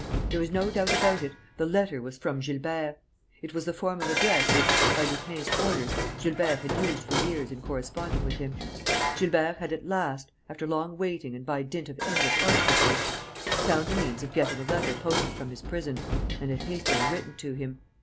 There was no doubt about it: the letter was from Gilbert. It was the form of address which, by Lupin's orders, Gilbert had used for years in corresponding with him. Gilbert had at last after long waiting and by dint of endless artifices found a means of getting a letter posted from his prison and had hastily written to him.